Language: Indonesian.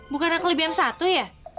bukanlah kelebihan satu ya